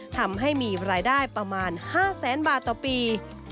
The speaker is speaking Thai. ทำให้มีรายได้ประมาณ๕แสนบาทต่อปี